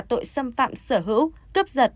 tội xâm phạm sở hữu cướp giật